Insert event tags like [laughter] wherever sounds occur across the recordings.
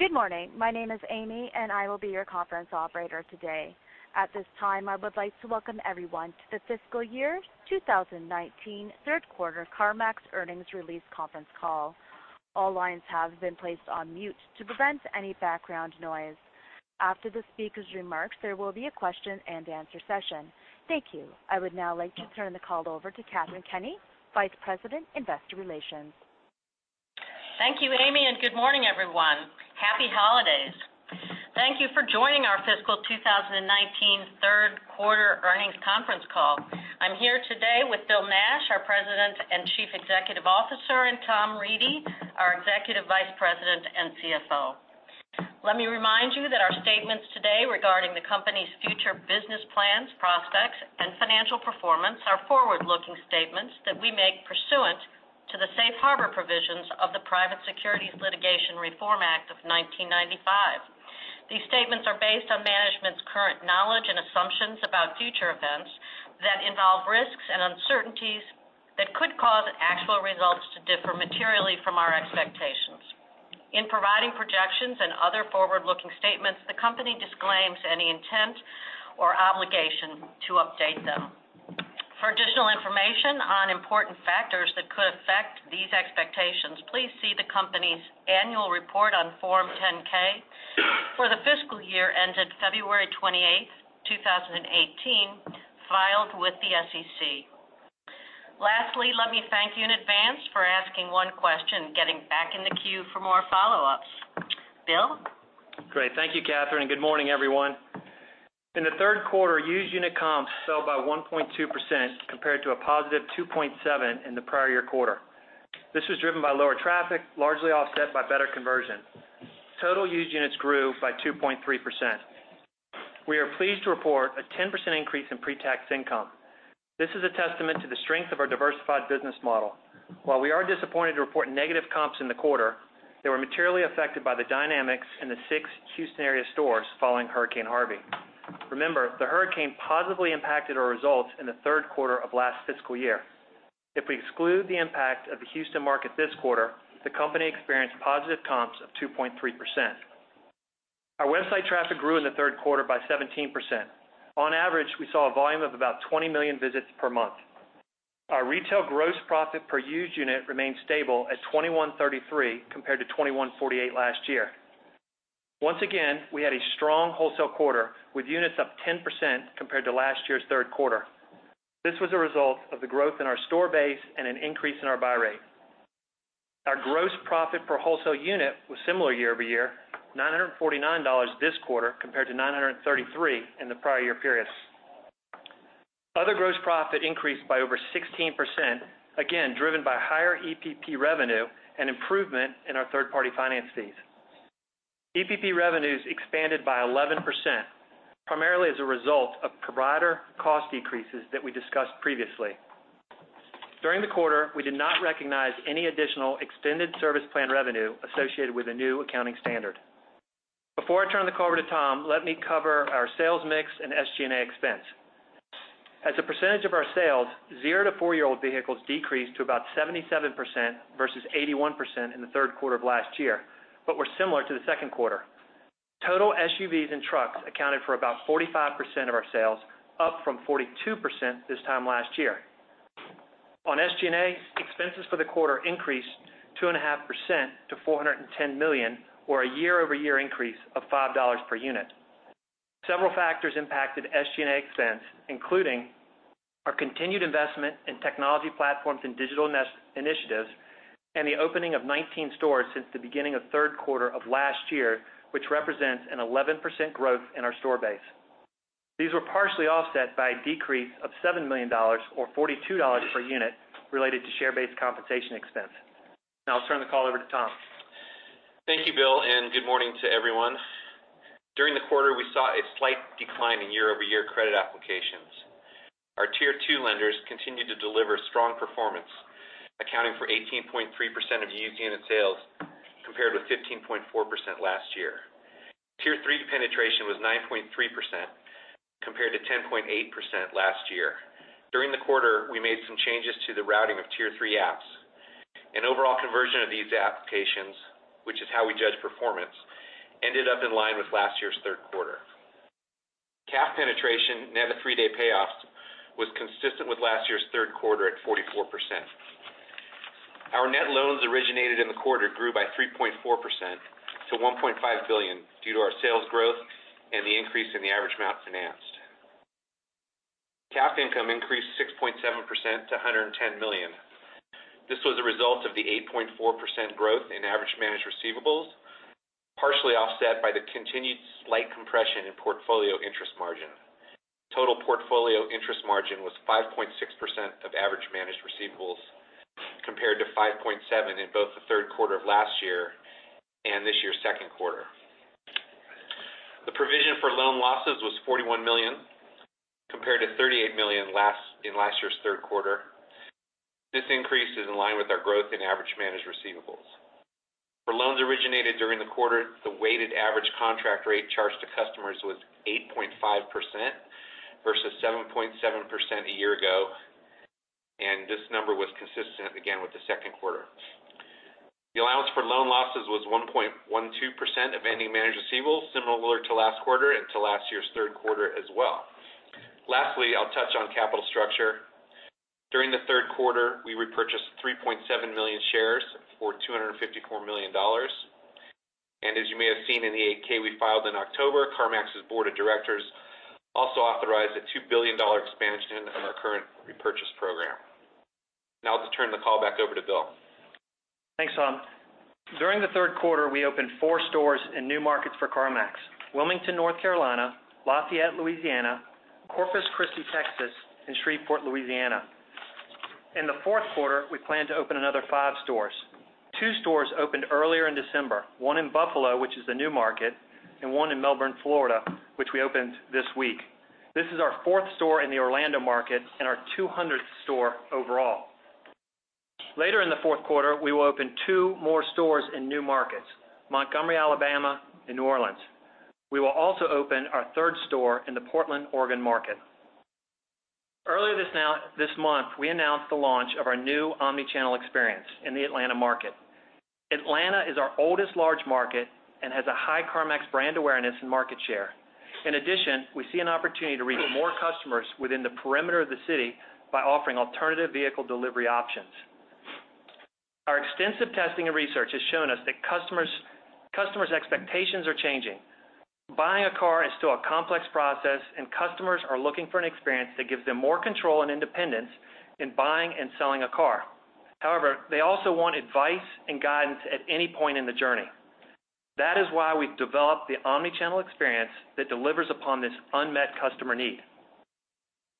Good morning. My name is Amy, and I will be your conference operator today. At this time, I would like to welcome everyone to the fiscal year 2019 third quarter CarMax earnings release conference call. All lines have been placed on mute to prevent any background noise. After the speaker's remarks, there will be a question-and-answer session. Thank you. I would now like to turn the call over to Katharine Kenny, Vice President, Investor Relations. Thank you, Amy, and good morning, everyone. Happy holidays. Thank you for joining our fiscal 2019 third quarter earnings conference call. I'm here today with Bill Nash, our President and Chief Executive Officer, and Tom Reedy, our Executive Vice President and CFO. Let me remind you that our statements today regarding the company's future business plans, prospects, and financial performance are forward-looking statements that we make pursuant to the Safe Harbor provisions of the Private Securities Litigation Reform Act of 1995. These statements are based on management's current knowledge and assumptions about future events that involve risks and uncertainties that could cause actual results to differ materially from our expectations. In providing projections and other forward-looking statements, the company disclaims any intent or obligation to update them. For additional information on important factors that could affect these expectations, please see the company's annual report on Form 10-K for the fiscal year ended February 28th, 2018, filed with the SEC. Lastly, let me thank you in advance for asking one question and getting back in the queue for more follow-ups. Bill? Great. Thank you, Katharine, and good morning, everyone. In the third quarter, used unit comps fell by 1.2%, compared to a positive 2.7% in the prior year quarter. This was driven by lower traffic, largely offset by better conversion. Total used units grew by 2.3%. We are pleased to report a 10% increase in pre-tax income. This is a testament to the strength of our diversified business model. While we are disappointed to report negative comps in the quarter, they were materially affected by the dynamics in the six Houston-area stores following Hurricane Harvey. Remember, the hurricane positively impacted our results in the third quarter of last fiscal year. If we exclude the impact of the Houston market this quarter, the company experienced positive comps of 2.3%. Our website traffic grew in the third quarter by 17%. On average, we saw a volume of about 20 million visits per month. Our retail gross profit per used unit remained stable at $2,133, compared to $2,148 last year. Once again, we had a strong wholesale quarter, with units up 10% compared to last year's third quarter. This was a result of the growth in our store base and an increase in our buy rate. Our gross profit per wholesale unit was similar year-over-year, $949 this quarter, compared to $933 in the prior year period. Other gross profit increased by over 16%, again, driven by higher EPP revenue and improvement in our third-party finance fees. EPP revenues expanded by 11%, primarily as a result of provider cost decreases that we discussed previously. During the quarter, we did not recognize any additional extended service plan revenue associated with the new accounting standard. Before I turn the call over to Tom, let me cover our sales mix and SG&A expense. As a percentage of our sales, zero to four-year-old vehicles decreased to about 77% versus 81% in the third quarter of last year, but were similar to the second quarter. Total SUVs and trucks accounted for about 45% of our sales, up from 42% this time last year. On SG&A, expenses for the quarter increased 2.5% to $410 million, or a year-over-year increase of $5 per unit. Several factors impacted SG&A expense, including our continued investment in technology platforms and digital initiatives, and the opening of 19 stores since the beginning of the third quarter of last year, which represents an 11% growth in our store base. These were partially offset by a decrease of $7 million, or $42 per unit, related to share-based compensation expense. Now I'll turn the call over to Tom. Thank you, Bill, and good morning to everyone. During the quarter, we saw a slight decline in year-over-year credit applications. Our Tier 2 lenders continued to deliver strong performance, accounting for 18.3% of used unit sales, compared with 15.4% last year. Tier 3 penetration was 9.3%, compared to 10.8% last year. During the quarter, we made some changes to the routing of Tier 3 apps, and overall conversion of these applications, which is how we judge performance, ended up in line with last year's third quarter. CAF penetration net of three-day payoffs was consistent with last year's third quarter at 44%. Our net loans originated in the quarter grew by 3.4% to $1.5 billion due to our sales growth and the increase in the average amounts financed. CAF income increased 6.7% to $110 million. This was a result of the 8.4% growth in average managed receivables, partially offset by the continued slight compression in portfolio interest margin. Total portfolio interest margin was 5.6% of average managed receivables, compared to 5.7% in both the third quarter of last year and this year's second quarter. The provision for loan losses was $41 million, compared to $38 million in last year's third quarter. This increase is in line with our growth in average managed receivables. For loans originated during the quarter, the weighted average contract rate charged to customers was 8.5% versus 7.7% a year ago, and this number was consistent again with the second quarter. The allowance for loan losses was 1.12% of ending managed receivables, similar to last quarter and to last year's third quarter as well. Lastly, I'll touch on capital structure. During the third quarter, we repurchased 3.7 million shares for $254 million. As you may have seen in the 8-K we filed in October, CarMax's board of directors also authorized a $2 billion expansion of our current repurchase program. I'll turn the call back over to Bill. Thanks, Tom. During the third quarter, we opened four stores in new markets for CarMax, Wilmington, North Carolina, Lafayette, Louisiana, Corpus Christi, Texas, and Shreveport, Louisiana. In the fourth quarter, we plan to open another five stores. Two stores opened earlier in December, one in Buffalo, which is a new market, and one in Melbourne, Florida, which we opened this week. This is our fourth store in the Orlando market and our 200th store overall. Later in the fourth quarter, we will open two more stores in new markets, Montgomery, Alabama, and New Orleans. We will also open our third store in the Portland, Oregon, market. Earlier this month, we announced the launch of our new omnichannel experience in the Atlanta market. Atlanta is our oldest large market and has a high CarMax brand awareness and market share. In addition, we see an opportunity to reach more customers within the perimeter of the city by offering alternative vehicle delivery options. Our extensive testing and research has shown us that customers' expectations are changing. Buying a car is still a complex process, and customers are looking for an experience that gives them more control and independence in buying and selling a car. However, they also want advice and guidance at any point in the journey. That is why we've developed the omnichannel experience that delivers upon this unmet customer need.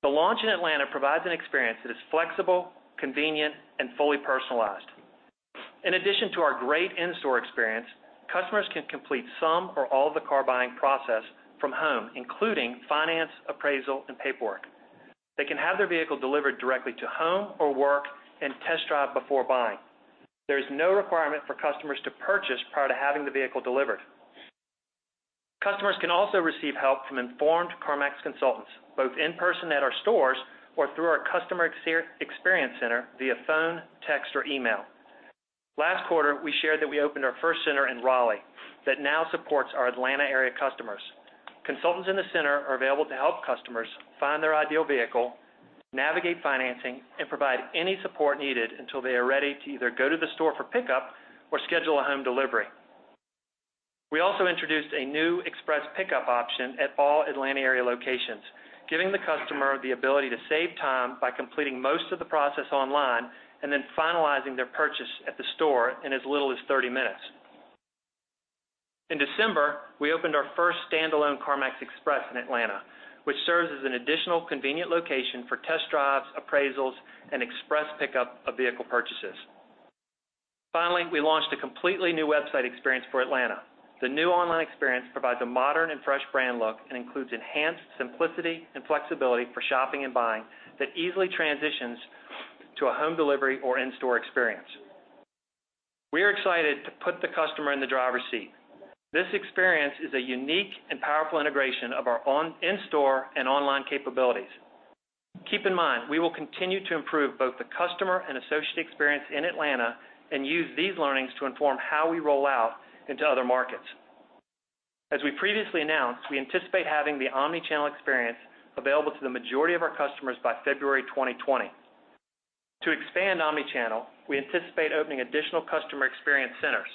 The launch in Atlanta provides an experience that is flexible, convenient, and fully personalized. In addition to our great in-store experience, customers can complete some or all of the car-buying process from home, including finance, appraisal, and paperwork. They can have their vehicle delivered directly to home or work and test drive before buying. There is no requirement for customers to purchase prior to having the vehicle delivered. Customers can also receive help from informed CarMax consultants, both in person at our stores or through our Customer Experience Centers via phone, text, or email. Last quarter, we shared that we opened our first center in Raleigh that now supports our Atlanta area customers. Consultants in the center are available to help customers find their ideal vehicle, navigate financing, and provide any support needed until they are ready to either go to the store for pickup or schedule a home delivery. We also introduced a new express pickup option at all Atlanta area locations, giving the customer the ability to save time by completing most of the process online and then finalizing their purchase at the store in as little as 30 minutes. In December, we opened our first standalone CarMax Express in Atlanta, which serves as an additional convenient location for test drives, appraisals, and express pickup of vehicle purchases. Finally, we launched a completely new website experience for Atlanta. The new online experience provides a modern and fresh brand look and includes enhanced simplicity and flexibility for shopping and buying that easily transitions to a home delivery or in-store experience. We are excited to put the customer in the driver's seat. This experience is a unique and powerful integration of our in-store and online capabilities. Keep in mind, we will continue to improve both the customer and associate experience in Atlanta and use these learnings to inform how we roll out into other markets. As we previously announced, we anticipate having the omnichannel experience available to the majority of our customers by February 2020. To expand omnichannel, we anticipate opening additional Customer Experience Centers.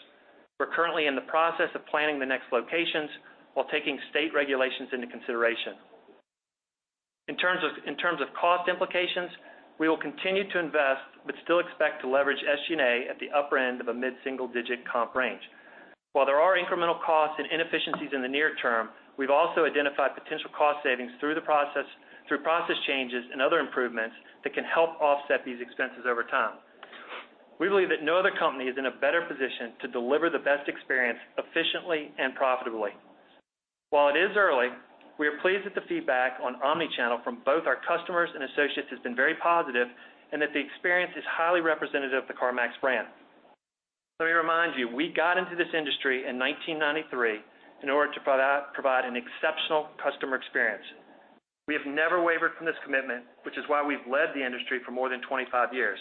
We're currently in the process of planning the next locations while taking state regulations into consideration. In terms of cost implications, we will continue to invest but still expect to leverage SG&A at the upper end of a mid-single-digit comp range. While there are incremental costs and inefficiencies in the near term, we've also identified potential cost savings through process changes and other improvements that can help offset these expenses over time. We believe that no other company is in a better position to deliver the best experience efficiently and profitably. While it is early, we are pleased that the feedback on omnichannel from both our customers and associates has been very positive and that the experience is highly representative of the CarMax brand. Let me remind you, we got into this industry in 1993 in order to provide an exceptional customer experience. We have never wavered from this commitment, which is why we've led the industry for more than 25 years.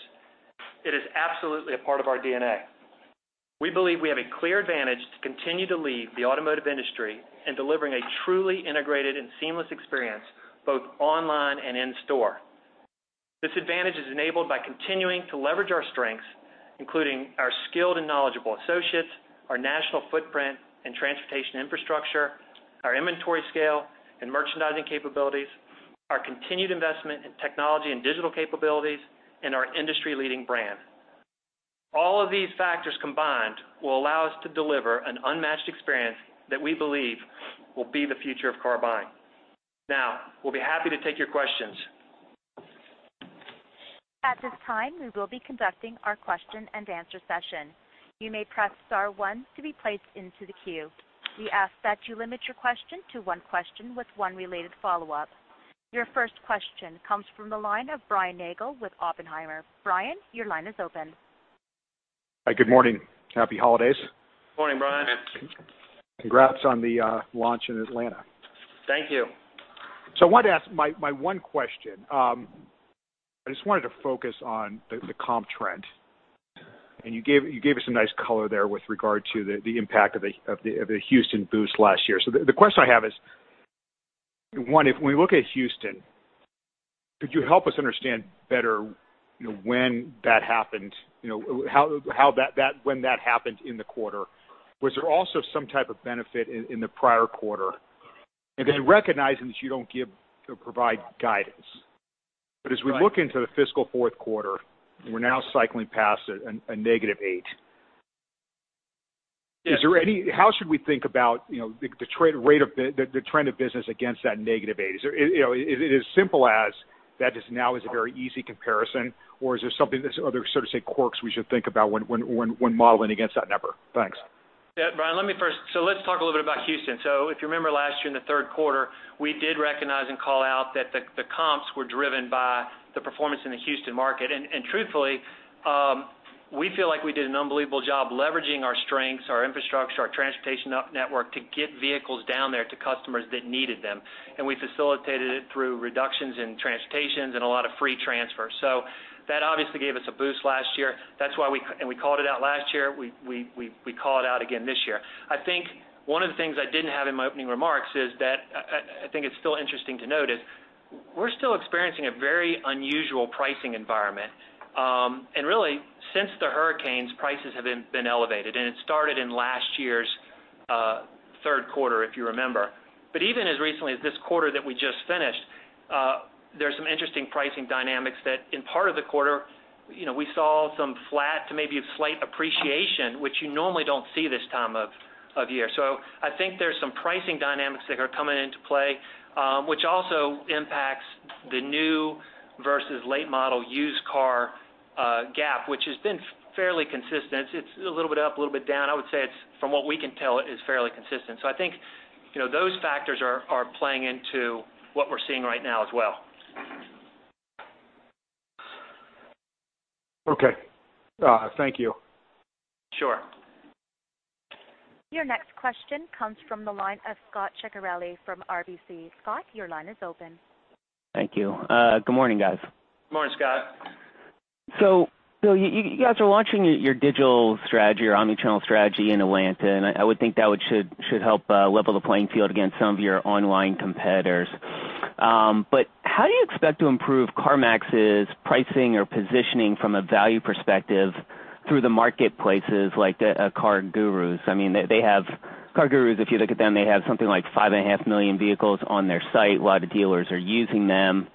It is absolutely a part of our DNA. We believe we have a clear advantage to continue to lead the automotive industry in delivering a truly integrated and seamless experience, both online and in-store. This advantage is enabled by continuing to leverage our strengths, including our skilled and knowledgeable associates, our national footprint and transportation infrastructure, our inventory scale and merchandising capabilities, our continued investment in technology and digital capabilities, and our industry-leading brand. All of these factors combined will allow us to deliver an unmatched experience that we believe will be the future of car buying. We'll be happy to take your questions. At this time, we will be conducting our question-and-answer session. You may press star one to be placed into the queue. We ask that you limit your question to one question with one related follow-up. Your first question comes from the line of Brian Nagel with Oppenheimer. Brian, your line is open. Hi, good morning. Happy holidays. Morning, Brian. Congrats on the launch in Atlanta. Thank you. I wanted to ask my one question. I just wanted to focus on the comp trend. You gave us some nice color there with regard to the impact of the Houston boost last year. The question I have is, one, if we look at Houston, could you help us understand better when that happened in the quarter? Was there also some type of benefit in the prior quarter? Yes. Recognizing that you don't give or provide guidance. Right. As we look into the fiscal fourth quarter, we're now cycling past a -8. Yes. How should we think about the trend of business against that -8? Is it as simple as that just now is a very easy comparison, or is there something, quirks we should think about when modeling against that number? Thanks. Brian, let's talk a little bit about Houston. If you remember last year in the third quarter, we did recognize and call out that the comps were driven by the performance in the Houston market. Truthfully, we feel like we did an unbelievable job leveraging our strengths, our infrastructure, our transportation network to get vehicles down there to customers that needed them. We facilitated it through reductions in transportations and a lot of free transfers. That obviously gave us a boost last year. We called it out last year. We call it out again this year. I think one of the things I didn't have in my opening remarks is that I think it's still interesting to note is we're still experiencing a very unusual pricing environment. Really, since the hurricanes, prices have been elevated, and it started in last year's third quarter, if you remember. Even as recently as this quarter that we just finished, there's some interesting pricing dynamics that in part of the quarter, we saw some flat to maybe a slight appreciation, which you normally don't see this time of year. I think there's some pricing dynamics that are coming into play, which also impacts the new versus late model used car gap, which has been fairly consistent. It's a little bit up, a little bit down. I would say from what we can tell, it is fairly consistent. I think those factors are playing into what we're seeing right now as well. Okay. Thank you. Sure. Your next question comes from the line of Scot Ciccarelli from RBC. Scot, your line is open. Thank you. Good morning, guys. Morning, Scot. You guys are launching your digital strategy, your omnichannel strategy in Atlanta, I would think that should help level the playing field against some of your online competitors. How do you expect to improve CarMax's pricing or positioning from a value perspective through the marketplaces like a CarGurus? CarGurus, if you look at them, they have something like 5.5 million vehicles on their site. A lot of dealers are using them.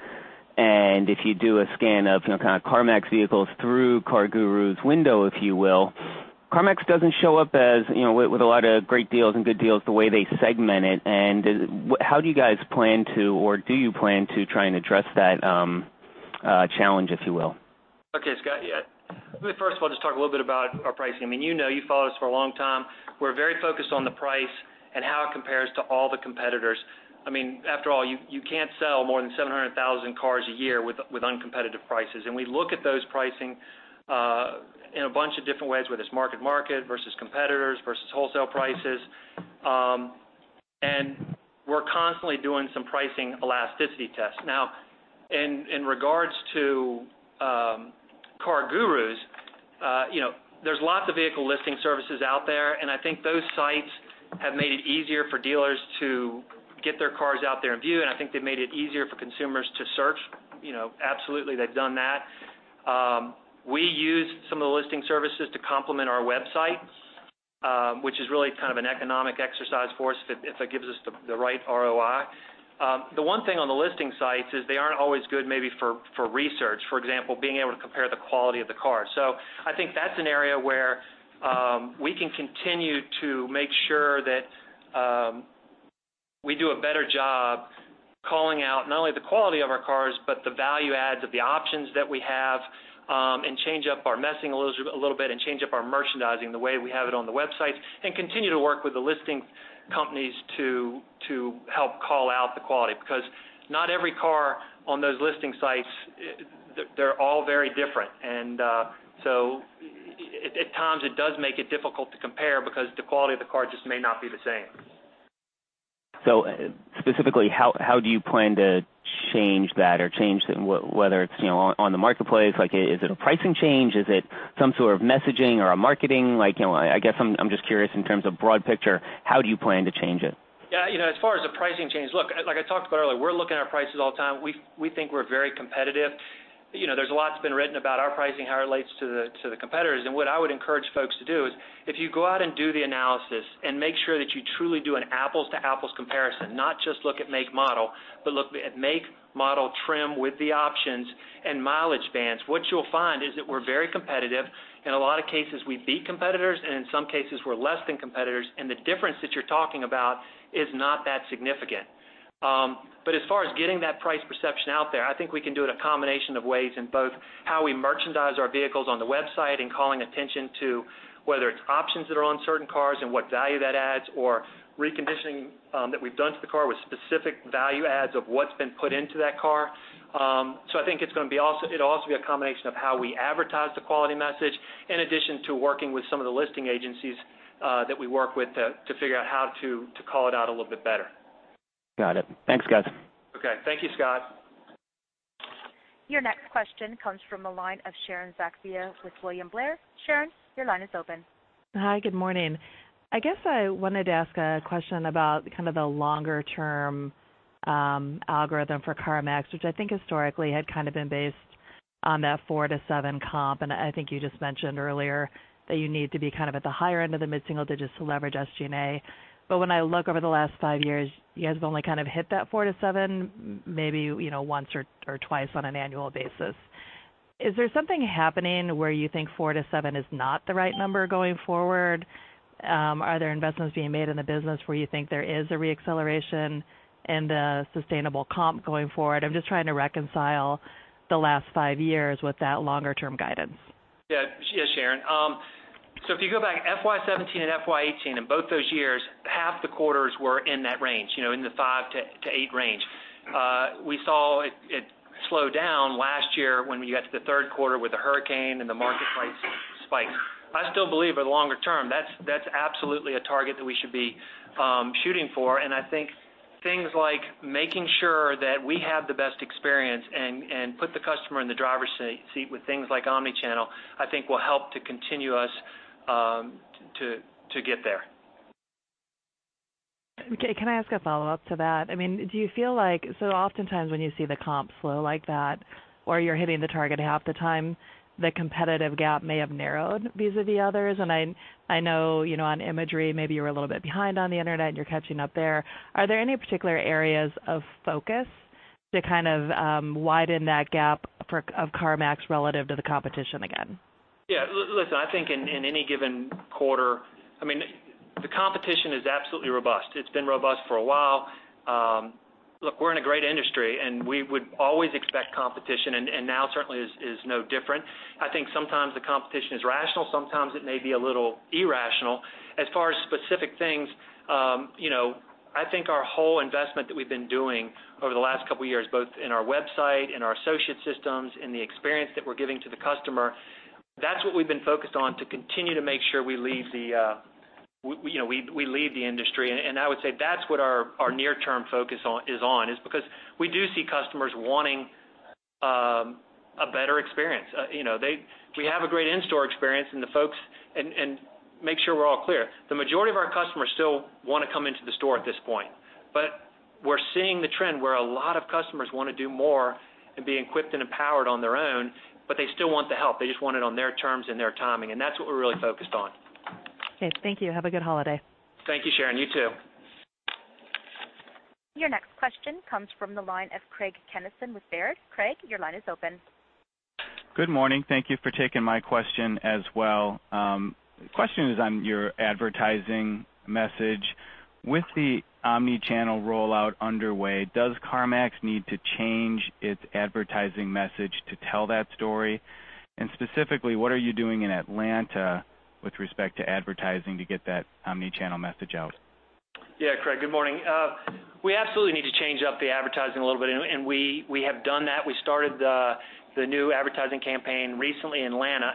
If you do a scan of kind of CarMax vehicles through CarGurus window, if you will, CarMax doesn't show up with a lot of great deals and good deals the way they segment it. How do you guys plan to or do you plan to try and address that challenge, if you will? Okay, Scot. Yeah. Let me first of all just talk a little bit about our pricing. You follow us for a long time. We're very focused on the price and how it compares to all the competitors. After all, you can't sell more than 700,000 cars a year with uncompetitive prices. We look at those pricing in a bunch of different ways, whether it's market versus competitors versus wholesale prices. We're constantly doing some pricing elasticity tests. In regards to CarGurus, there's lots of vehicle listing services out there, I think those sites have made it easier for dealers to get their cars out there and view, I think they've made it easier for consumers to search. Absolutely, they've done that. We use some of the listing services to complement our website, which is really kind of an economic exercise for us if it gives us the right ROI. The one thing on the listing sites is they aren't always good maybe for research, for example, being able to compare the quality of the car. I think that's an area where we can continue to make sure that we do a better job calling out not only the quality of our cars, but the value add of the options that we have, and change up our messaging a little bit and change up our merchandising the way we have it on the website, and continue to work with the listing companies to help call out the quality. Because not every car on those listing sites, they're all very different. At times it does make it difficult to compare because the quality of the car just may not be the same. Specifically, how do you plan to change that? Whether it's on the marketplace, is it a pricing change? Is it some sort of messaging or a marketing? I guess I'm just curious in terms of broad picture, how do you plan to change it? Yeah. As far as the pricing change, look, like I talked about earlier, we're looking at our prices all the time. We think we're very competitive. There's a lot that's been written about our pricing, how it relates to the competitors. What I would encourage folks to do is if you go out and do the analysis and make sure that you truly do an apples to apples comparison, not just look at make, model, but look at make, model, trim with the options and mileage bands. What you'll find is that we're very competitive. In a lot of cases, we beat competitors, and in some cases, we're less than competitors, and the difference that you're talking about is not that significant. As far as getting that price perception out there, I think we can do it a combination of ways in both how we merchandise our vehicles on the website and calling attention to whether it's options that are on certain cars and what value that adds or reconditioning that we've done to the car with specific value adds of what's been put into that car. I think it'll also be a combination of how we advertise the quality message, in addition to working with some of the listing agencies that we work with to figure out how to call it out a little bit better. Got it. Thanks, guys. Okay. Thank you, Scot. Your next question comes from the line of Sharon Zackfia with William Blair. Sharon, your line is open. Hi, good morning. I guess I wanted to ask a question about kind of the longer-term algorithm for CarMax, which I think historically had kind of been based on that four to seven comp. I think you just mentioned earlier that you need to be kind of at the higher end of the mid-single digits to leverage SG&A. When I look over the last five years, you guys have only kind of hit that four to seven, maybe once or twice on an annual basis. Is there something happening where you think four to seven is not the right number going forward? Are there investments being made in the business where you think there is a re-acceleration in the sustainable comp going forward? I'm just trying to reconcile the last five years with that longer-term guidance. Yeah. Sure, Sharon. If you go back FY 2017 and FY 2018, in both those years, half the quarters were in that range, in the five to eight range. We saw it slow down last year when you got to the third quarter with the hurricane and the marketplace spike. I still believe in the longer term, that's absolutely a target that we should be shooting for, and I think things like making sure that we have the best experience and put the customer in the driver's seat with things like omnichannel, I think will help to continue us to get there. Okay. Can I ask a follow-up to that? Oftentimes, when you see the comp slow like that, or you're hitting the target half the time, the competitive gap may have narrowed vis-a-vis others. I know on imagery, maybe you were a little bit behind on the internet and you're catching up there. Are there any particular areas of focus to kind of widen that gap of CarMax relative to the competition again? Yeah. Listen, I think in any given quarter, the competition is absolutely robust. It's been robust for a while. Look, we're in a great industry, and we would always expect competition, and now certainly is no different. I think sometimes the competition is rational, sometimes it may be a little irrational. As far as specific things, I think our whole investment that we've been doing over the last couple of years, both in our website, in our associate systems, in the experience that we're giving to the customer, that's what we've been focused on to continue to make sure we lead the industry. I would say that's what our near-term focus is on, is because we do see customers wanting a better experience. We have a great in-store experience and make sure we're all clear. The majority of our customers still want to come into the store at this point. We're seeing the trend where a lot of customers want to do more and be equipped and empowered on their own, but they still want the help. They just want it on their terms and their timing, and that's what we're really focused on. Okay, thank you. Have a g ood holiday. Thank you, Sharon. You too. Your next question comes from the line of Craig Kennison with Baird. Craig, your line is open. Good morning. Thank you for taking my question as well. Question is on your advertising message. With the omnichannel rollout underway, does CarMax need to change its advertising message to tell that story? Specifically, what are you doing in Atlanta with respect to advertising to get that omnichannel message out? Yeah, Craig, good morning. We absolutely need to change up the advertising a little bit, we have done that. We started the new advertising campaign recently in Atlanta,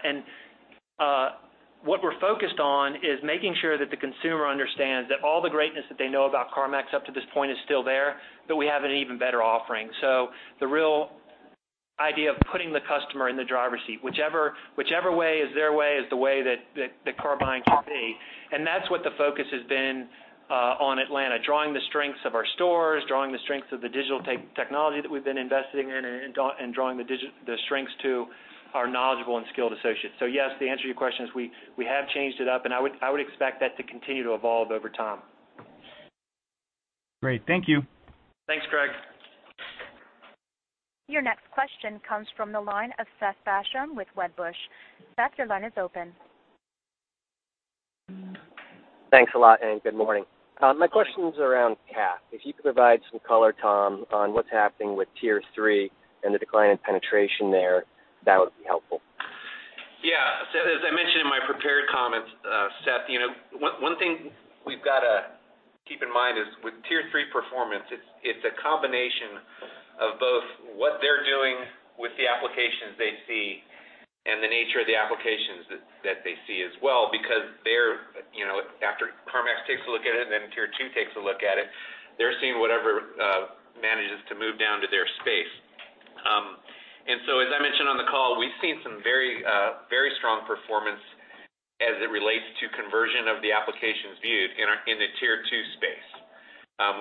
what we're focused on is making sure that the consumer understands that all the greatness that they know about CarMax up to this point is still there, but we have an even better offering. The real idea of putting the customer in the driver's seat, whichever way is their way is the way that the car buying should be. That's what the focus has been on Atlanta, drawing the strengths of our stores, drawing the strengths of the digital technology that we've been investing in, and drawing the strengths to our knowledgeable and skilled associates. Yes, the answer to your question is we have changed it up, I would expect that to continue to evolve over time. Great. Thank you. Thanks, Craig. Your next question comes from the line of Seth Basham with Wedbush. Seth, your line is open. Thanks a lot. Good morning. My question's around CAF. If you could provide some color, Tom, on what's happening with Tier 3 and the decline in penetration there, that would be helpful. Yeah. As I mentioned in my prepared comments, Seth, one thing we've got to keep in mind is with Tier 3 performance, it's a combination of both what they're doing with the applications they see and the nature of the applications that they see as well, because after CarMax takes a look at it and then Tier 2 takes a look at it, they're seeing whatever manages to move down to their space. As I mentioned on the call, we've seen some very strong performance as it relates to conversion of the applications viewed in the Tier 2 space.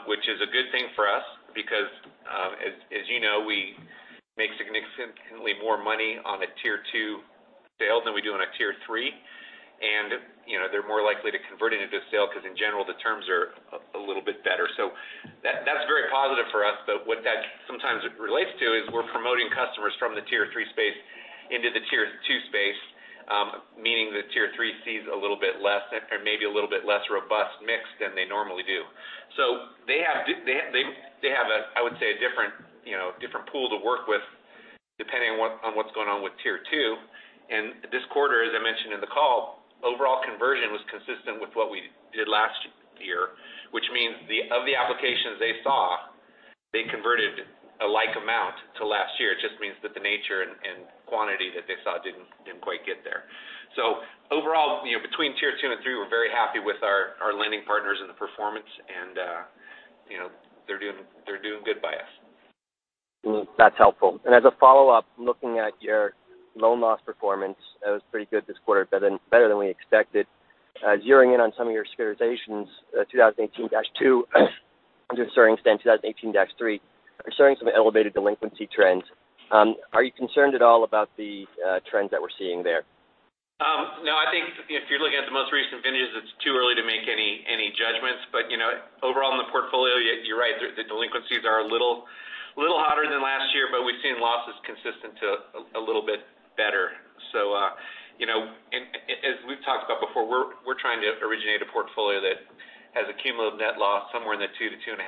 Which is a good thing for us because as you know, we make significantly more money on a Tier 2 sale than we do on a Tier 3. They're more likely to convert it into a sale because in general, the terms are a little bit better. That's very positive for us, but what that sometimes relates to is we're promoting customers from the Tier 3 space into the Tier 2 space, meaning the Tier 3 sees a little bit less, or maybe a little bit less robust mix than they normally do. They have, I would say, a different pool to work with. Depending on what's going on with Tier 2. This quarter, as I mentioned in the call, overall conversion was consistent with what we did last year, which means of the applications they saw, they converted a like amount to last year. It just means that the nature and quantity that they saw didn't quite get there. Overall, between Tier 2 and 3, we're very happy with our lending partners and the performance and they're doing good by us. That's helpful. As a follow-up, looking at your loan loss performance, that was pretty good this quarter, better than we expected. Zeroing in on some of your securitizations, 2018-2 to a certain extent, 2018-3, are showing some elevated delinquency trends. Are you concerned at all about the trends that we're seeing there? No, I think if you're looking at the most recent vintages, it's too early to make any judgments. Overall in the portfolio, you're right. The delinquencies are a little hotter than last year, but we've seen losses consistent to a little bit better. As we've talked about before, we're trying to originate a portfolio that has a cumulative net loss somewhere in the 2%-2.5%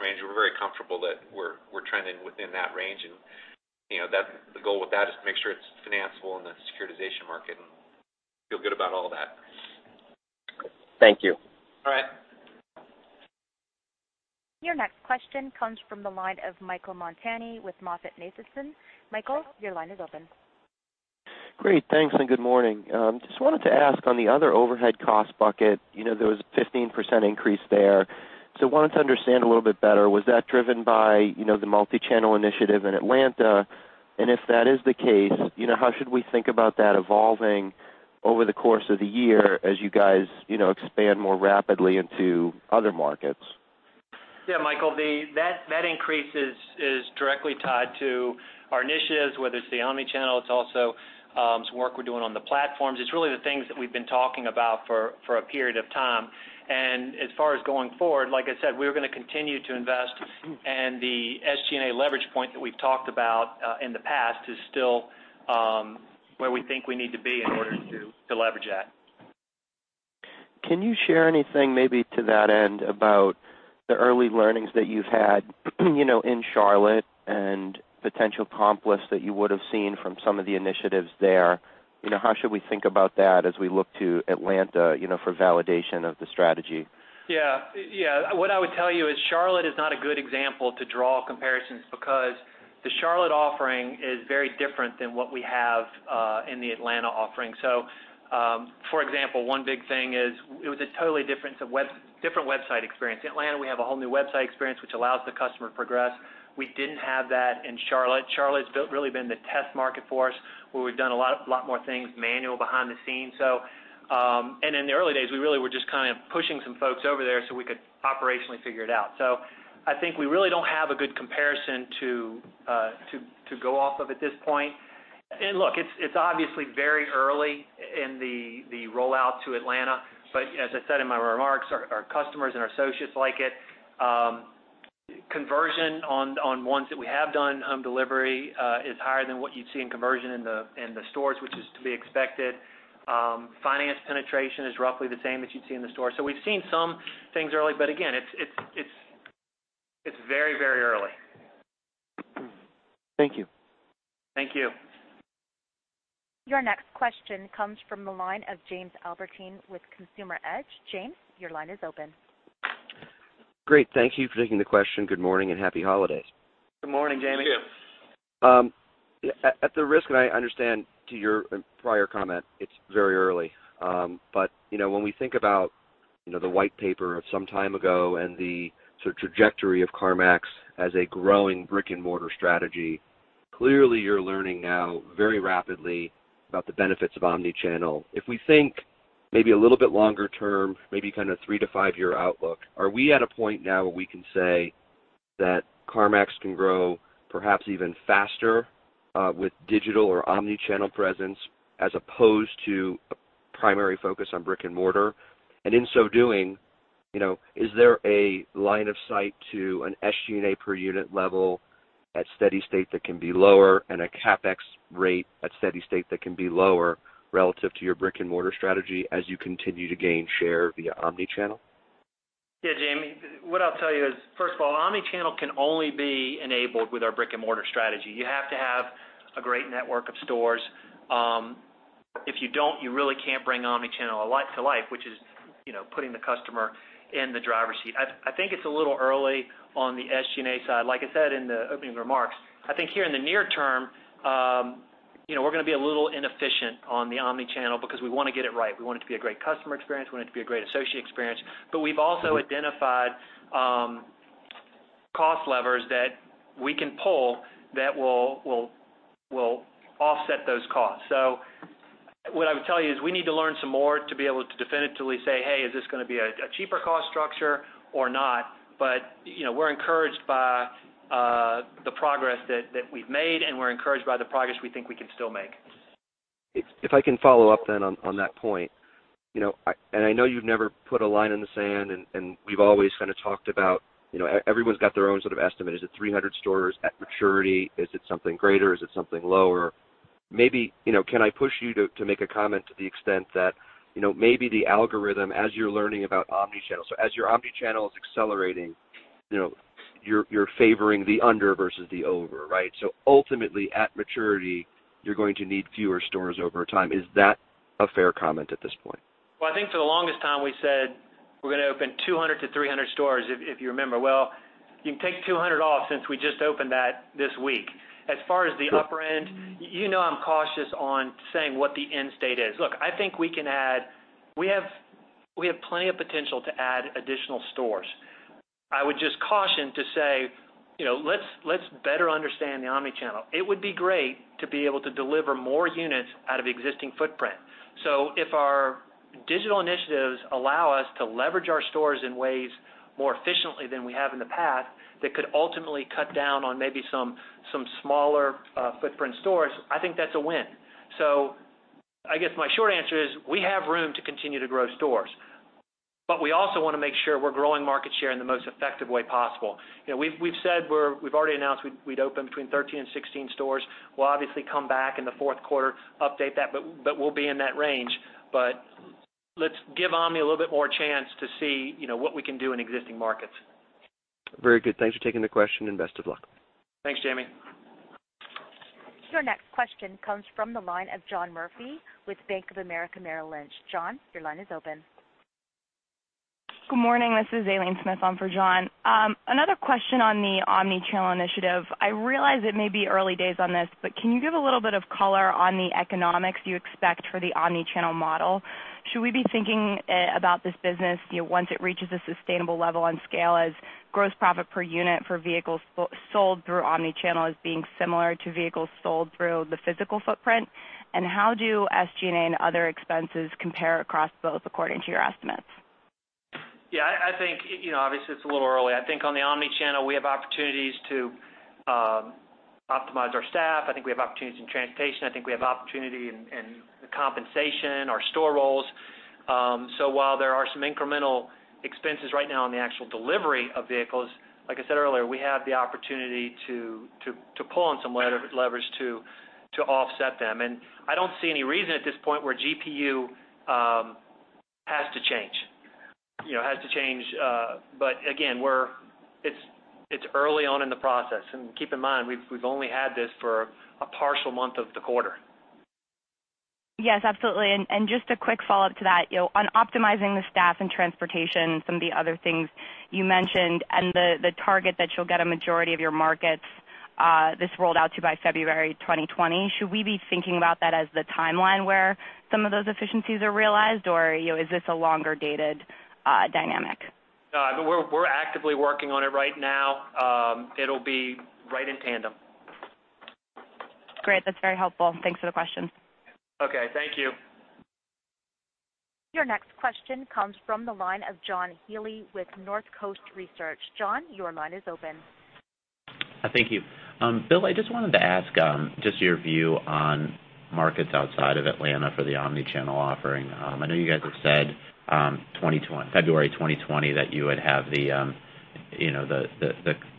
range. We're very comfortable that we're trending within that range, and the goal with that is to make sure it's financeable in the securitization market, and feel good about all that. Thank you. All right. Your next question comes from the line of Michael Montani with MoffettNathanson. Michael, your line is open. Great. Thanks. Good morning. Just wanted to ask on the other overhead cost bucket, there was a 15% increase there. Wanted to understand a little bit better, was that driven by the omnichannel initiative in Atlanta? If that is the case, how should we think about that evolving over the course of the year as you guys expand more rapidly into other markets? Yeah, Michael, that increase is directly tied to our initiatives, whether it's the omnichannel, it's also some work we're doing on the platforms. It's really the things that we've been talking about for a period of time. As far as going forward, like I said, we're going to continue to invest, and the SG&A leverage point that we've talked about in the past is still where we think we need to be in order to leverage that. Can you share anything maybe to that end about the early learnings that you've had in Charlotte and potential comp lifts that you would've seen from some of the initiatives there? How should we think about that as we look to Atlanta for validation of the strategy? Yeah. What I would tell you is Charlotte is not a good example to draw comparisons because the Charlotte offering is very different than what we have in the Atlanta offering. For example, one big thing is it was a totally different website experience. In Atlanta, we have a whole new website experience, which allows the customer to progress. We didn't have that in Charlotte. Charlotte's really been the test market for us, where we've done a lot more things manual behind the scenes. In the early days, we really were just kind of pushing some folks over there so we could operationally figure it out. I think we really don't have a good comparison to go off of at this point. Look, it's obviously very early in the rollout to Atlanta, but as I said in my remarks, our customers and our associates like it. Conversion on ones that we have done on delivery is higher than what you'd see in conversion in the stores, which is to be expected. Finance penetration is roughly the same that you'd see in the stores. We've seen some things early, but again, it's very early. Thank you. Thank you. Your next question comes from the line of Jamie Albertine with Consumer Edge. Jamie, your line is open. Great. Thank you for taking the question. Good morning. Happy holidays. Good morning, Jamie. At the risk, and I understand to your prior comment, it's very early. When we think about the white paper of some time ago and the sort of trajectory of CarMax as a growing brick-and-mortar strategy, clearly you're learning now very rapidly about the benefits of omnichannel. If we think maybe a little bit longer term, maybe kind of three to five-year outlook, are we at a point now where we can say that CarMax can grow perhaps even faster with digital or omnichannel presence as opposed to a primary focus on brick-and-mortar? In so doing, is there a line of sight to an SG&A per unit level at steady state that can be lower and a CapEx rate at steady state that can be lower relative to your brick-and-mortar strategy as you continue to gain share via omnichannel? Jamie, what I'll tell you is, first of all, omnichannel can only be enabled with our brick-and-mortar strategy. You have to have a great network of stores. If you don't, you really can't bring omnichannel to life, which is putting the customer in the driver's seat. I think it's a little early on the SG&A side. Like I said in the opening remarks, I think here in the near term, we're going to be a little inefficient on the omnichannel because we want to get it right. We want it to be a great customer experience. We want it to be a great associate experience. We've also identified cost levers that we can pull that will offset those costs. What I would tell you is we need to learn some more to be able to definitively say, "Hey, is this going to be a cheaper cost structure or not?" We're encouraged by the progress that we've made, and we're encouraged by the progress we think we can still make. If I can follow up on that point. I know you've never put a line in the sand, and we've always kind of talked about everyone's got their own sort of estimate. Is it 300 stores at maturity? Is it something greater? Is it something lower? Can I push you to make a comment to the extent that, maybe the algorithm, as you're learning about omnichannel. As your omnichannel is accelerating, you're favoring the under versus the over, right? Ultimately, at maturity, you're going to need fewer stores over time. Is that a fair comment at this point? Well, I think for the longest time we said we're going to open 200 to 300 stores, if you remember. Well, you can take 200 off since we just opened that this week. As far as the upper end, you know I'm cautious on saying what the end state is. Look, I think we have plenty of potential to add additional stores. I would just caution to say, let's better understand the omnichannel. It would be great to be able to deliver more units out of existing footprint. If our digital initiatives allow us to leverage our stores in ways more efficiently than we have in the past, that could ultimately cut down on maybe some smaller footprint stores, I think that's a win. I guess my short answer is, we have room to continue to grow stores. We also want to make sure we're growing market share in the most effective way possible. We've already announced we'd open between 13 and 16 stores. We'll obviously come back in the fourth quarter, update that, but we'll be in that range. Let's give omni a little bit more chance to see what we can do in existing markets. Very good. Thanks for taking the question and best of luck. Thanks, Jamie. Your next question comes from the line of John Murphy with Bank of America Merrill Lynch. John, your line is open. Good morning. This is [audio distortion] on for John. Another question on the omnichannel initiative. I realize it may be early days on this, but can you give a little bit of color on the economics you expect for the omnichannel model? Should we be thinking about this business, once it reaches a sustainable level on scale as gross profit per unit for vehicles sold through omnichannel as being similar to vehicles sold through the physical footprint? How do SG&A and other expenses compare across both, according to your estimates? I think, obviously it's a little early. I think on the omnichannel, we have opportunities to optimize our staff. I think we have opportunities in transportation. I think we have opportunity in the compensation, our store roles. While there are some incremental expenses right now on the actual delivery of vehicles, like I said earlier, we have the opportunity to pull on some leverage to offset them. I don't see any reason at this point where GPU has to change. Again, it's early on in the process, and keep in mind, we've only had this for a partial month of the quarter. Yes, absolutely. Just a quick follow-up to that, on optimizing the staff and transportation, some of the other things you mentioned, and the target that you'll get a majority of your markets this rolled out to by February 2020. Should we be thinking about that as the timeline where some of those efficiencies are realized, or is this a longer dated dynamic? We're actively working on it right now. It'll be right in tandem. Great. That's very helpful. Thanks for the question. Okay. Thank you. Your next question comes from the line of John Healy with Northcoast Research. John, your line is open. Thank you. Bill, I just wanted to ask just your view on markets outside of Atlanta for the omnichannel offering. I know you guys have said February 2020 that you would have the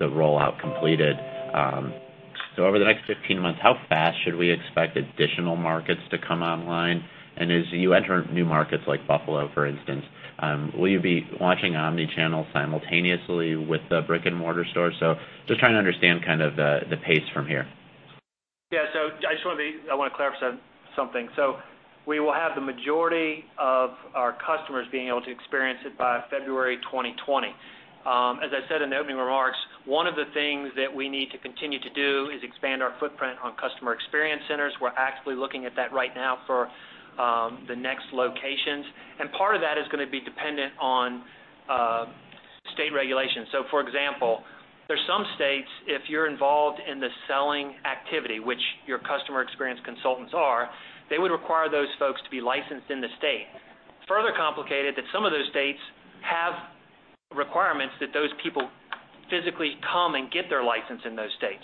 rollout completed. Over the next 15 months, how fast should we expect additional markets to come online? As you enter new markets like Buffalo, for instance, will you be launching omnichannel simultaneously with the brick-and-mortar stores? Just trying to understand kind of the pace from here. I just want to clarify something. We will have the majority of our customers being able to experience it by February 2020. As I said in the opening remarks, one of the things that we need to continue to do is expand our footprint on Customer Experience Centers. We're actively looking at that right now for the next locations. Part of that is going to be dependent on state regulations. For example, there's some states, if you're involved in the selling activity, which your customer experience consultants are, they would require those folks to be licensed in the state. Further complicated, that some of those states have requirements that those people physically come and get their license in those states.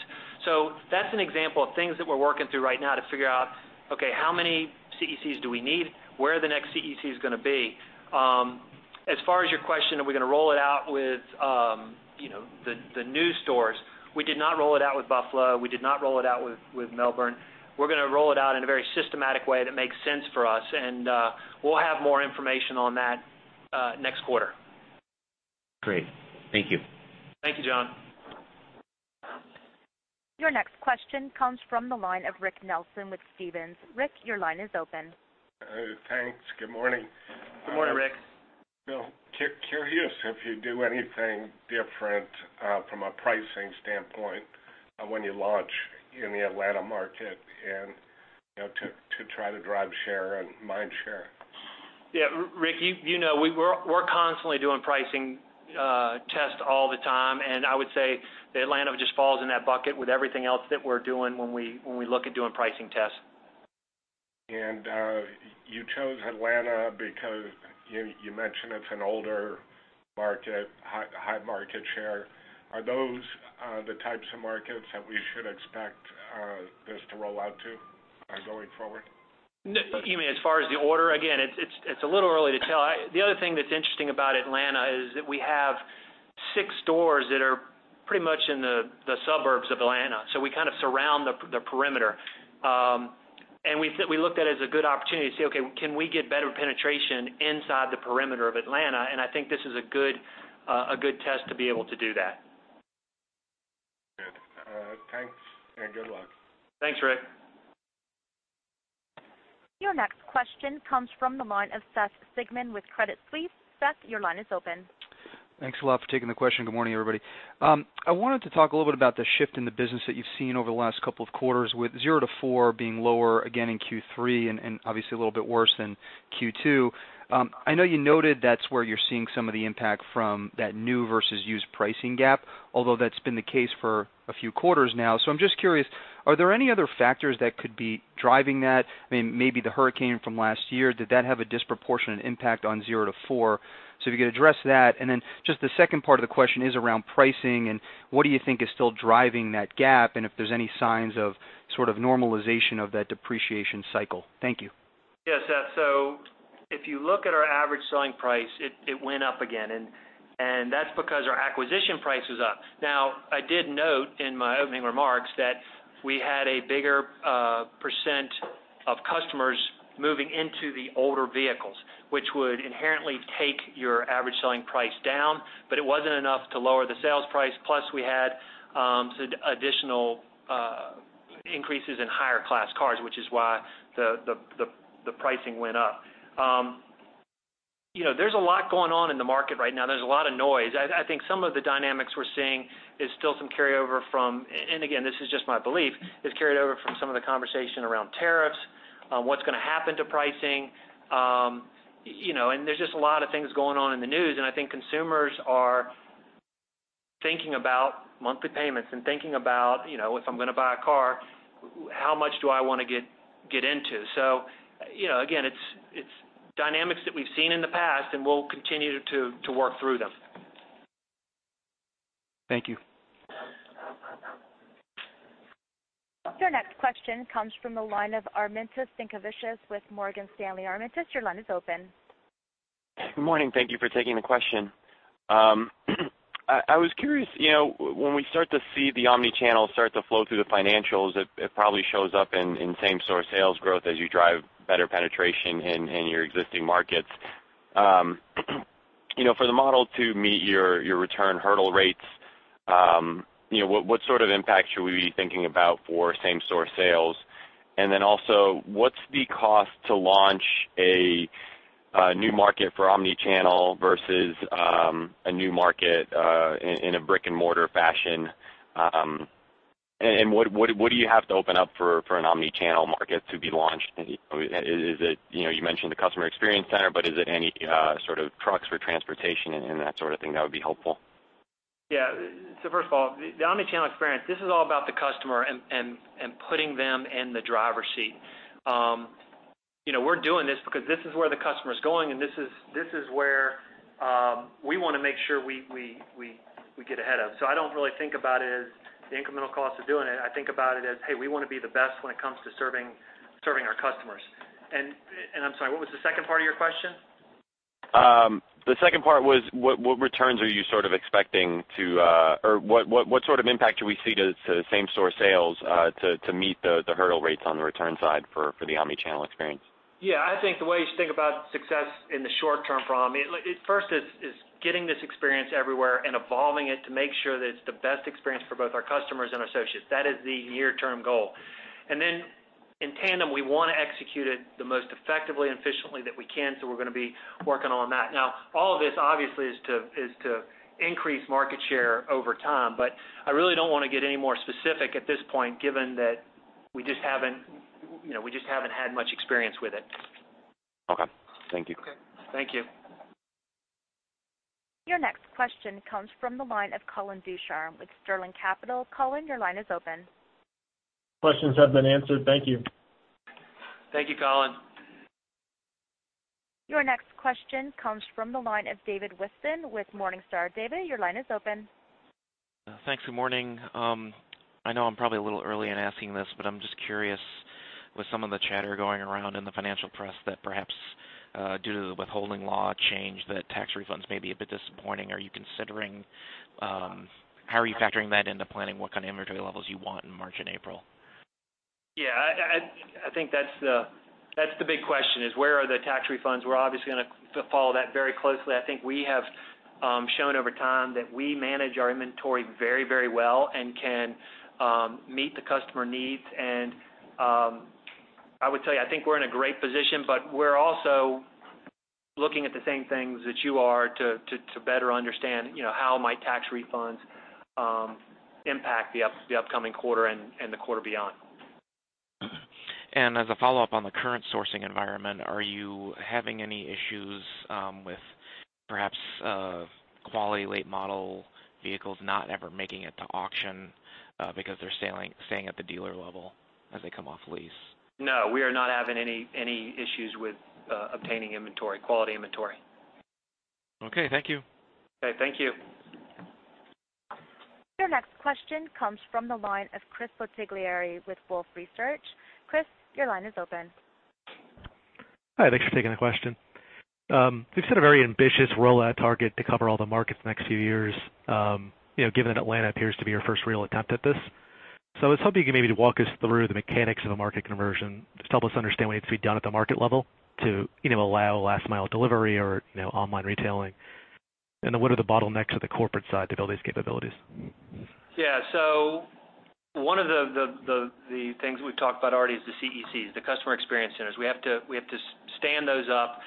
That's an example of things that we're working through right now to figure out, okay, how many CECs do we need? Where are the next CECs going to be? As far as your question, are we going to roll it out with the new stores? We did not roll it out with Buffalo. We did not roll it out with Melbourne. We're going to roll it out in a very systematic way that makes sense for us, we'll have more information on that next quarter. Great. Thank you. Thank you, John. Your next question comes from the line of Rick Nelson with Stephens. Rick, your line is open. Thanks. Good morning. Good morning, Rick. Bill, curious if you do anything different, from a pricing standpoint, when you launch in the Atlanta market to try to drive share and mind share. Yeah. Rick, you know we're constantly doing pricing tests all the time, I would say that Atlanta just falls in that bucket with everything else that we're doing when we look at doing pricing tests. You chose Atlanta because you mentioned it's an older market, high market share. Are those the types of markets that we should expect this to roll out to going forward? You mean as far as the order? It's a little early to tell. The other thing that's interesting about Atlanta is that we have six stores pretty much in the suburbs of Atlanta. We kind of surround the perimeter. We looked at it as a good opportunity to say, okay, can we get better penetration inside the perimeter of Atlanta? I think this is a good test to be able to do that. Good. Thanks, good luck. Thanks, Rick. Your next question comes from the line of Seth Sigman with Credit Suisse. Seth, your line is open. Thanks a lot for taking the question. Good morning, everybody. I wanted to talk a little bit about the shift in the business that you've seen over the last couple of quarters, with zero to four being lower again in Q3 and obviously a little bit worse than Q2. I know you noted that's where you're seeing some of the impact from that new versus used pricing gap, although that's been the case for a few quarters now. I'm just curious, are there any other factors that could be driving that? Maybe the hurricane from last year, did that have a disproportionate impact on 0 to 4? If you could address that, and then just the second part of the question is around pricing, and what do you think is still driving that gap, and if there's any signs of sort of normalization of that depreciation cycle? Thank you. Yeah, Seth. If you look at our average selling price, it went up again. That's because our acquisition price is up. I did note in my opening remarks that we had a bigger percent of customers moving into the older vehicles, which would inherently take your average selling price down, but it wasn't enough to lower the sales price. We had some additional increases in higher class cars, which is why the pricing went up. There's a lot going on in the market right now. There's a lot of noise. I think some of the dynamics we're seeing is still some carryover from, and again, this is just my belief, is carried over from some of the conversation around tariffs, what's going to happen to pricing. There's just a lot of things going on in the news, and I think consumers are thinking about monthly payments and thinking about, if I'm going to buy a car, how much do I want to get into? Again, it's dynamics that we've seen in the past, and we'll continue to work through them. Thank you. Your next question comes from the line of Armintas Sinkevicius with Morgan Stanley. Armintas, your line is open. Good morning. Thank you for taking the question. I was curious, when we start to see the omnichannel start to flow through the financials, it probably shows up in same-store sales growth as you drive better penetration in your existing markets. For the model to meet your return hurdle rates, what sort of impact should we be thinking about for same-store sales? What's the cost to launch a new market for omnichannel versus a new market in a brick-and-mortar fashion? What do you have to open up for an omnichannel market to be launched? You mentioned the Customer Experience Center, but is it any sort of trucks for transportation and that sort of thing? That would be helpful. Yeah. First of all, the omnichannel experience, this is all about the customer and putting them in the driver's seat. We're doing this because this is where the customer is going, and this is where we want to make sure we get ahead of. I don't really think about it as the incremental cost of doing it. I think about it as, hey, we want to be the best when it comes to serving our customers. I'm sorry, what was the second part of your question? The second part was what returns are you sort of expecting to, or what sort of impact do we see to same-store sales to meet the hurdle rates on the return side for the omnichannel experience? Yeah, I think the way you think about success in the short term for omni, first is getting this experience everywhere and evolving it to make sure that it's the best experience for both our customers and associates. That is the near-term goal. In tandem, we want to execute it the most effectively and efficiently that we can, so we're going to be working on that. Now, all of this obviously is to increase market share over time, I really don't want to get any more specific at this point, given that we just haven't had much experience with it. Okay. Thank you. Thank you. Your next question comes from the line of Colin Ducharme with Sterling Capital. Colin, your line is open. Questions have been answered. Thank you. Thank you, Colin. Your next question comes from the line of David Whiston with Morningstar. David, your line is open. Thanks. Good morning. I know I'm probably a little early in asking this, but I'm just curious with some of the chatter going around in the financial press that perhaps, due to the withholding law change, that tax refunds may be a bit disappointing. How are you factoring that into planning what kind of inventory levels you want in March and April? Yeah. I think that's the big question is where are the tax refunds? We're obviously going to follow that very closely. I think we have shown over time that we manage our inventory very well and can meet the customer needs. I would tell you, I think we're in a great position, but we're also looking at the same things that you are to better understand how tax refunds might impact the upcoming quarter and the quarter beyond. As a follow-up on the current sourcing environment, are you having any issues with perhaps quality late-model vehicles not ever making it to auction because they're staying at the dealer level as they come off lease? No, we are not having any issues with obtaining inventory, quality inventory. Okay, thank you. Okay, thank you. Your next question comes from the line of Chris Bottiglieri with Wolfe Research. Chris, your line is open. Hi, thanks for taking the question. You've set a very ambitious rollout target to cover all the markets in the next few years, given that Atlanta appears to be your first real attempt at this. I was hoping you could maybe walk us through the mechanics of a market conversion. Just help us understand what needs to be done at the market level to allow last-mile delivery or online retailing, and what are the bottlenecks at the corporate side to build these capabilities? Yeah. One of the things we've talked about already is the CECs, the Customer Experience Centers. We have to stand those up.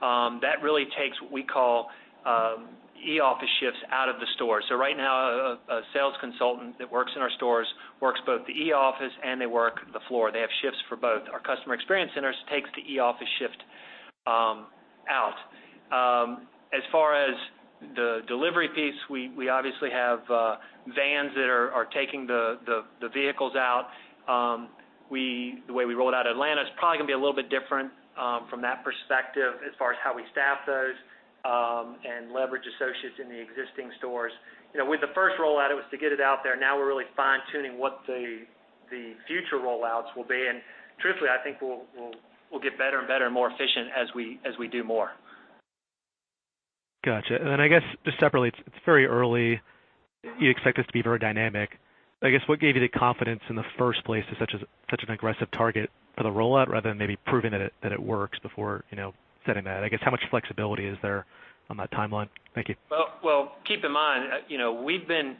That really takes what we call e-office shifts out of the store. Right now, a sales consultant that works in our stores works both the e-office and they work the floor. They have shifts for both. Our Customer Experience Centers takes the e-office shift out. As far as the delivery piece, we obviously have vans that are taking the vehicles out. The way we rolled out Atlanta is probably going to be a little bit different from that perspective as far as how we staff those and leverage associates in the existing stores. With the first rollout, it was to get it out there. Now we're really fine-tuning what the future rollouts will be. Truthfully, I think we'll get better and better and more efficient as we do more. Got you. Then I guess just separately, it's very early. You expect this to be very dynamic. I guess, what gave you the confidence in the first place to set such an aggressive target for the rollout rather than maybe proving that it works before setting that? I guess how much flexibility is there on that timeline? Thank you. Well, keep in mind, we've been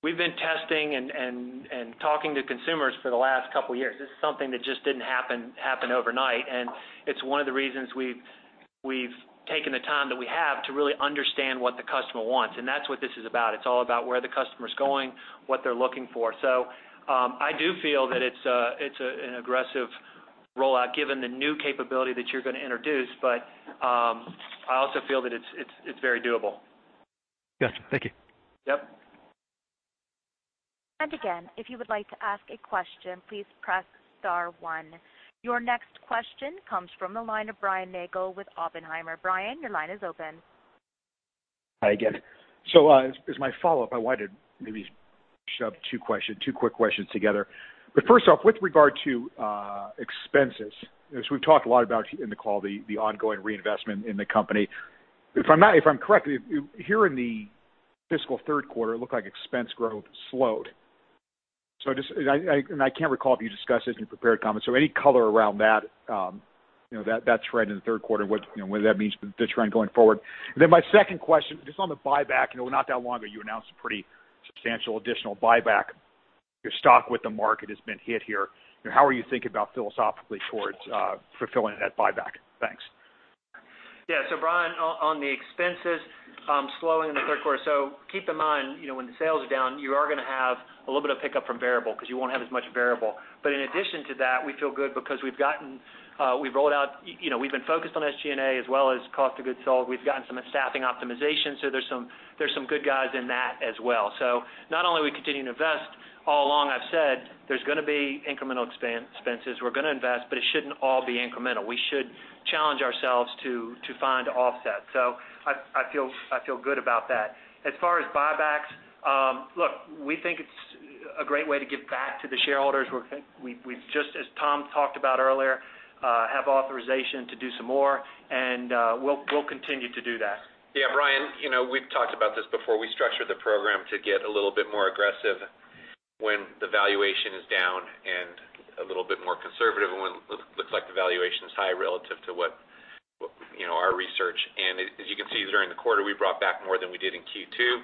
testing and talking to consumers for the last couple of years. This is something that just didn't happen overnight, and it's one of the reasons we've taken the time that we have to really understand what the customer wants, and that's what this is about. It's all about where the customer's going, what they're looking for. I do feel that it's an aggressive rollout given the new capability that you're going to introduce, but I also feel that it's very doable. Got you. Thank you. Yep. Again, if you would like to ask a question, please press star one. Your next question comes from the line of Brian Nagel with Oppenheimer. Brian, your line is open. Hi again. As my follow-up, I wanted maybe to shove two quick questions together. First off, with regard to expenses, as we've talked a lot about in the call, the ongoing reinvestment in the company. If I'm correct, here in the fiscal third quarter, it looked like expense growth slowed. I can't recall if you discussed this in your prepared comments, any color around that trend in the third quarter, what that means for the trend going forward? My second question, just on the buyback. Not that long ago, you announced a pretty substantial additional buyback. Your stock with the market has been hit here. How are you thinking about philosophically towards fulfilling that buyback? Thanks. Yeah. Brian, on the expenses slowing in the third quarter. Keep in mind, when the sales are down, you are going to have a little bit of pickup from variable because you won't have as much variable. In addition to that, we feel good because we've been focused on SG&A as well as cost of goods sold. We've gotten some staffing optimization. There's some good guys in that as well. Not only are we continuing to invest, all along I've said there's going to be incremental expenses. We're going to invest, it shouldn't all be incremental. We should challenge ourselves to find offset. I feel good about that. As far as buybacks, look, we think it's a great way to give back to the shareholders. We've just, as Tom talked about earlier, have authorization to do some more, and we'll continue to do that. Yeah, Brian, we've talked about this before. We structured the program to get a little bit more aggressive when the valuation is down and a little bit more conservative when it looks like the valuation is high relative to our research. As you can see, during the quarter, we brought back more than we did in Q2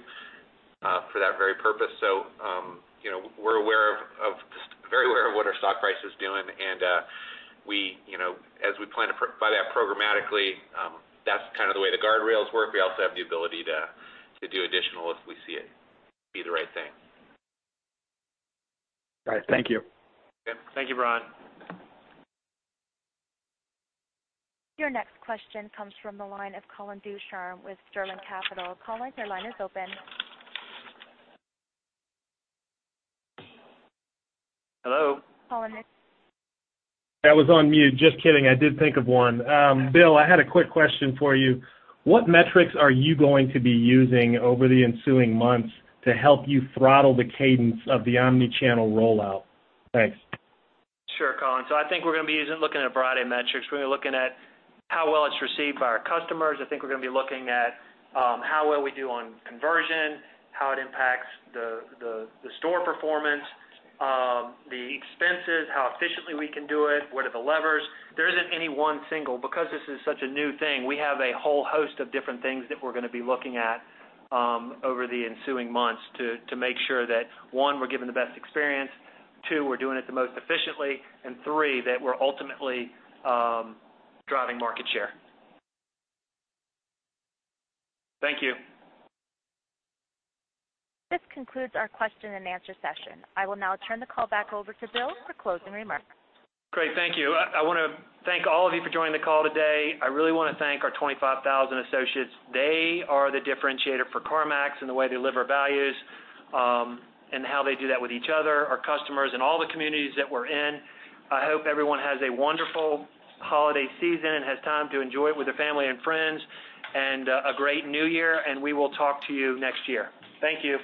for that very purpose. We're very aware of what our stock price is doing, and as we plan to buy that programmatically, that's kind of the way the guardrails work. We also have the ability to do additional if we see it be the right thing. All right. Thank you. Yep. Thank you, Brian. Your next question comes from the line of Colin Ducharme with Sterling Capital. Colin, your line is open. Hello? Colin- I was on mute. Just kidding, I did think of one. Bill, I had a quick question for you. What metrics are you going to be using over the ensuing months to help you throttle the cadence of the omnichannel rollout? Thanks. Sure, Colin. I think we're going to be looking at a variety of metrics. We're going to be looking at how well it's received by our customers. I think we're going to be looking at how well we do on conversion, how it impacts the store performance, the expenses, how efficiently we can do it. What are the levers? There isn't any one single. This is such a new thing, we have a whole host of different things that we're going to be looking at over the ensuing months to make sure that, one, we're giving the best experience, two, we're doing it the most efficiently, and three, that we're ultimately driving market share. Thank you. This concludes our question-and-answer session. I will now turn the call back over to Bill for closing remarks. Great. Thank you. I want to thank all of you for joining the call today. I really want to thank our 25,000 associates. They are the differentiator for CarMax in the way they live our values, and how they do that with each other, our customers, and all the communities that we're in. I hope everyone has a wonderful holiday season and has time to enjoy it with their family and friends, and a great new year, and we will talk to you next year. Thank you.